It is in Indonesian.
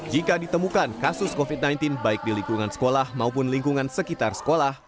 jika ditemukan kasus covid sembilan belas baik di lingkungan sekolah maupun lingkungan sekitar sekolah